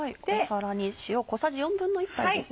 皿に塩小さじ１／４杯です。